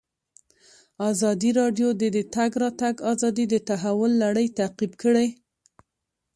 ازادي راډیو د د تګ راتګ ازادي د تحول لړۍ تعقیب کړې.